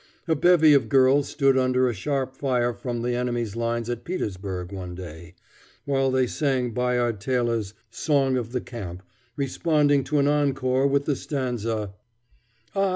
A bevy of girls stood under a sharp fire from the enemy's lines at Petersburg one day, while they sang Bayard Taylor's Song of the Camp, responding to an encore with the stanza: "Ah!